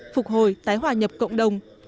phục hồi tái hòa nhập cộng đồng